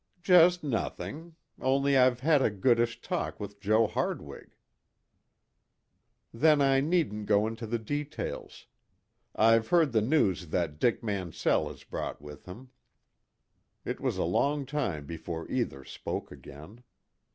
"Just nothing. Only I've had a goodish talk with Joe Hardwig." "Then I needn't go into the details. I've heard the news that Dick Mansell has brought with him." It was a long time before either spoke again.